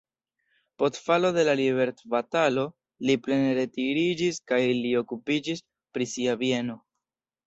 Post falo de la liberecbatalo li plene retiriĝis kaj li okupiĝis pri sia bieno.